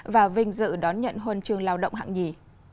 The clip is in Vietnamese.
và vinh dự đón nhận huân chương lao động hạng nhì